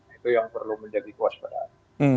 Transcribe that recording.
itu yang perlu menjadi kuas pada hari